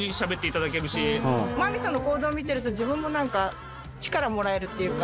真実さんの行動を見てると自分も力もらえるっていうか。